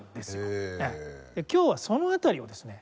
今日はその辺りをですね